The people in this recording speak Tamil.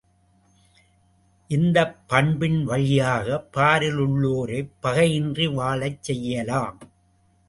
இந்தப் பண்பின் வழியாகப் பாரிலுள்ளோரைப் பகையின்றி வாழச் செய்யலாம்.